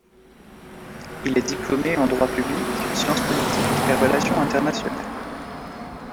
Il est diplômé en droit public, sciences politiques et relations internationales.